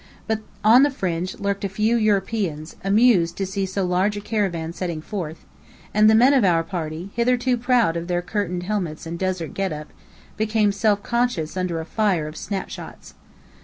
But on the fringe lurked a few Europeans, amused to see so large a caravan setting forth; and the men of our party, hitherto proud of their curtained helmets and desert get up, became self conscious under a fire of snapshots.